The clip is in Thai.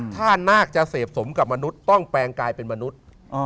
ถ้านาคจะเสพสมกับมนุษย์ต้องแปลงกลายเป็นมนุษย์